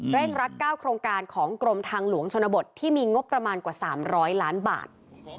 รัก๙โครงการของกรมทางหลวงชนบทที่มีงบประมาณกว่า๓๐๐ล้านบาท